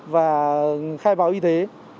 và khai báo y thế